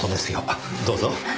あっどうぞ。